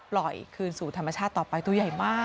ปล่อยคืนสู่ธรรมชาติต่อไปตัวใหญ่มาก